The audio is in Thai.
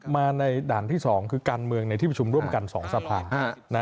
มาในด่านที่๒คือการเมืองในที่ประชุมร่วมกัน๒สภา